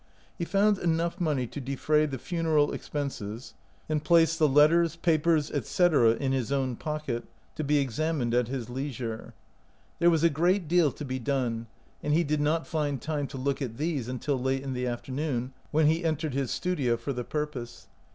He found enough money to defray the funeral expenses, and placed the letters, papers, etc.. in his own pocket, i53 OUT OF BOHEMIA to be examined at his leisure. There was a great deal to be done, and he did not find time to look at these until late in the after noon, when he entered his studio for the purpose.